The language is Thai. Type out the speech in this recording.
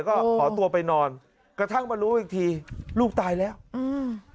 ก็ขอตัวไปนอนกระทั่งมารู้อีกทีลูกตายแล้วอืม